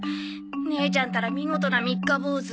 姉ちゃんたら見事な三日坊主。